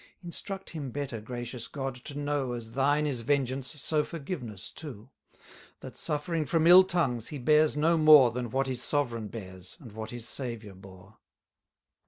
Instruct him better, gracious God, to know, As thine is vengeance, so forgiveness too: That, suffering from ill tongues, he bears no more Than what his sovereign bears, and what his Saviour bore.